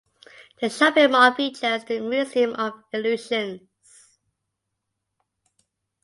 The shopping mall features the Museum of Illusions.